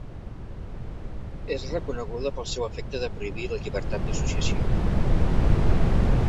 És reconeguda pel seu efecte de prohibir la llibertat d'associació.